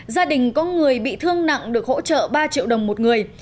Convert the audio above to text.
gia đình có người bị thương nặng được hỗ trợ ba triệu đồng một người